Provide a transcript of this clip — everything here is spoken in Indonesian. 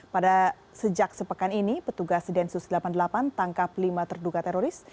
pada sejak sepekan ini petugas densus delapan puluh delapan tangkap lima terduga teroris